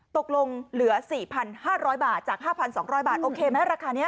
ตกลงเหลือ๔๕๐๐บาทจาก๕๒๐๐บาทโอเคไหมราคานี้